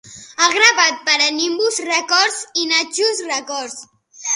Ha gravat per a Nimbus Records i Naxos Records.